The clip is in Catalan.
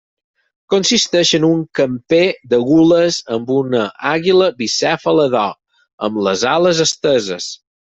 Consisteix en un camper de gules amb una àguila bicèfala d'or, amb les ales esteses.